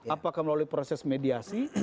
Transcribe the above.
apakah melalui proses mediasi